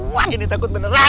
wah jadi takut beneran